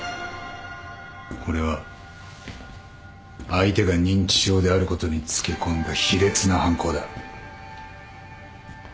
これは相手が認知症であることにつけ込んだ卑劣な犯行だ。